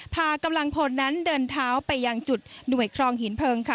พากำลังพลนั้นเดินเท้าไปยังจุดหน่วยครองหินเพลิงค่ะ